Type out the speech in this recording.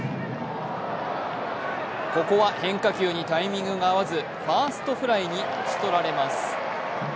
ここは変化球にタイミングが合わずファーストフライに打ち取られます。